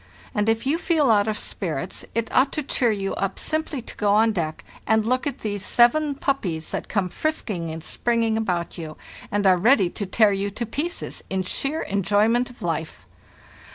And if you feel out of spirits, it ought to cheer you up simply to go on deck and look at these seven puppies that come frisking and springing about you, and are ready to tear you to pieces in sheer enjoy ment of life.